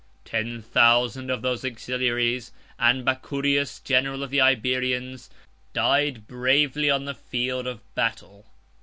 Ten thousand of those auxiliaries, and Bacurius, general of the Iberians, died bravely on the field of battle.